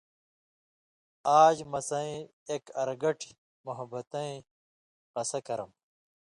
آژ مہ څَیں اېک ارگٹیۡ موحبَتِیں قصہ کرم